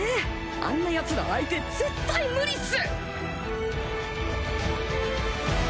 あんなヤツの相手絶対無理っす！